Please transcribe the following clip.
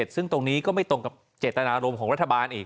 ซึ่งตรงนี้ก็ไม่ตรงกับเจตนารมณ์ของรัฐบาลอีก